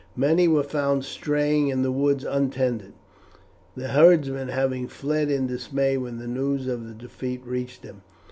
Many were found straying in the woods untended, the herdsmen having fled in dismay when the news of the defeat reached them.